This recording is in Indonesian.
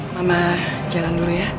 mama jalan dulu ya